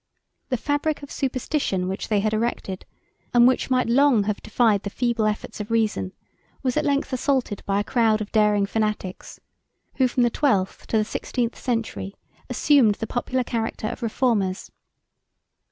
The fabric of superstition which they had erected, and which might long have defied the feeble efforts of reason, was at length assaulted by a crowd of daring fanatics, who from the twelfth to the sixteenth century assumed the popular character of reformers.